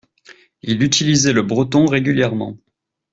Il utilisait le breton régulièrement.